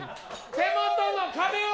手元の壁を。